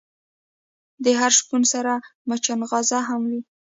د هر شپون سره مچناغزه هم وی.